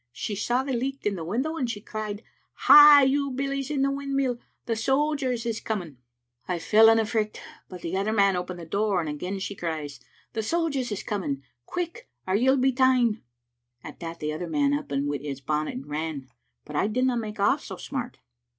She saw the licht in the window, and she cried, *Hie, you billies in the wind mill, the sojers is coming!' I fell in a fricht, but the other man opened the door, and again she cries, *The sojers is coming; quick, or you'll be ta'en.' At that the other man up wi' his bonnet and ran, but I didna make off so smart."